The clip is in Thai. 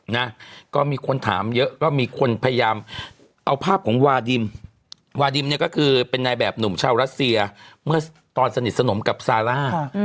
นะก็มีคนถามเยอะก็มีคนพยายามเอาภาพของวาดิมวาดิมเนี่ยก็คือเป็นนายแบบหนุ่มชาวรัสเซียเมื่อตอนสนิทสนมกับซาร่า